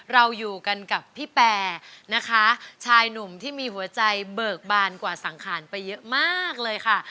เราอยู่กันกับพี่แปรนะคะชายหนุ่มที่มีหัวใจเบิกบานกว่าสังขารไปเยอะมากเลยค่ะ